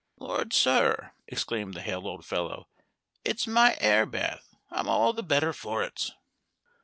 "Lord, sir," exclaimed the hale old fellow, "it's my air bath, I'm all the better for it."